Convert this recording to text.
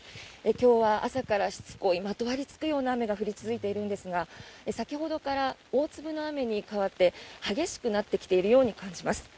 今日は朝からしつこいまとわりつくような雨が降り続いているんですが先ほどから大粒の雨に変わって激しくなってきているように感じます。